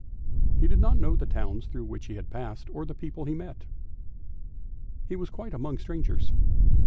He did not know the towns through which he passed, or the people he met, he was quite among strangers.